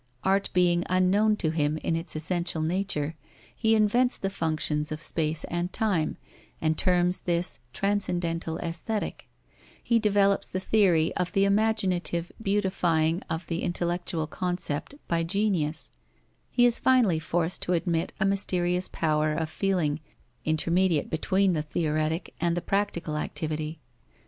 Art being unknown to him in its essential nature, he invents the functions of space and time and terms this transcendental aesthetic; he develops the theory of the imaginative beautifying of the intellectual concept by genius; he is finally forced to admit a mysterious power of feeling, intermediate between the theoretic and the practical activity.